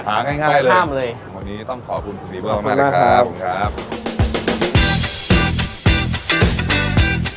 ทำง่ายเลย